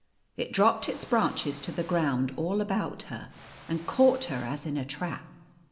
It [)rop[>ed its branches to the ground all about her, and caught her as in a trap.